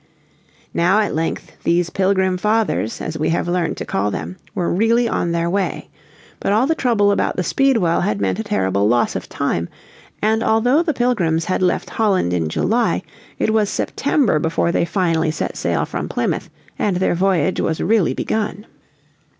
Now at length these Pilgrim Fathers as we have learned to call them were really on their way. But all the trouble about the Speedwell had meant a terrible loss of time, and although the Pilgrims bad left Holland in July it was September before they finally set sail from Plymouth, and their voyage was really begun.